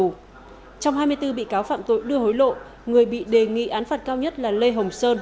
trong hai mươi bốn bị cáo phạm tội đưa hối lộ người bị đề nghị án phạt cao nhất là lê hồng sơn